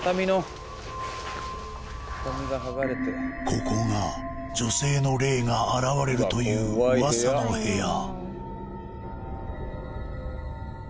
ここが女性の霊が現れるという噂の部屋